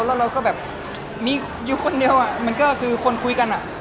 แล้วเราก็แบบมีอยู่คนเดียวมันก็คือคนคุยกันอ่ะ